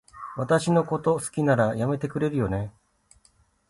私のこと好きなら、やめてくれるよね？